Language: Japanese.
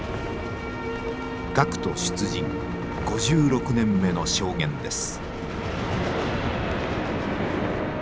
学徒出陣５６年目の証言です。